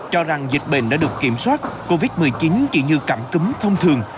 cho rằng dịch bệnh đã được kiểm soát covid một mươi chín chỉ như cảm cúm thông thường